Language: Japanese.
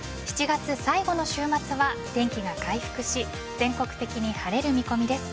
７月最後の週末は天気が回復し全国的に晴れる見込みです。